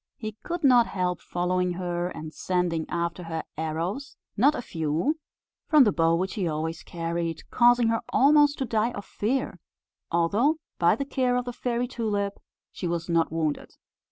He could not help following her, and sending after her arrows, not a few, from the bow which he always carried, causing her almost to die of fear; although, by the care of the Fairy Tulip, she was not wounded.